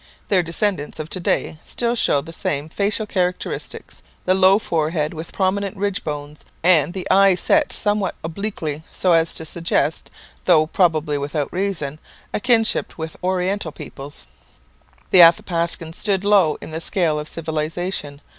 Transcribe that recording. Their descendants of to day still show the same facial characteristics the low forehead with prominent ridge bones, and the eyes set somewhat obliquely so as to suggest, though probably without reason, a kinship with Oriental peoples. The Athapascans stood low in the scale of civilization.